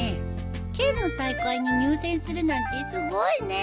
県の大会に入選するなんてすごいね。